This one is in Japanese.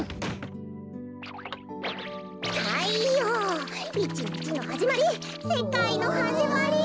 たいよういちにちのはじまりせかいのはじまり。